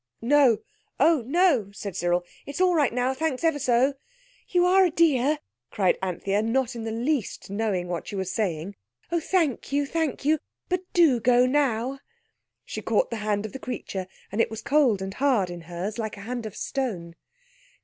"No—oh, no," said Cyril. "It's all right now. Thanks ever so." "You are a dear," cried Anthea, not in the least knowing what she was saying. "Oh, thank you thank you. But do go now!" She caught the hand of the creature, and it was cold and hard in hers, like a hand of stone.